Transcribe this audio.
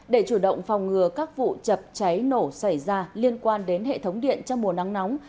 để chủ động phòng ngừa các vụ chập cháy nổ xảy ra liên quan đến hệ thống điện trong mùa nắng nóng